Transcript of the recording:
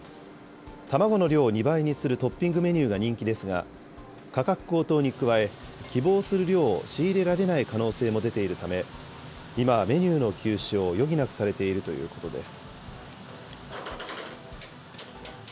卵の量を２倍にするトッピングメニューが人気ですが、価格高騰に加え、希望する量を仕入れられない可能性も出ているため、今はメニューの休止を余儀なくされているということです。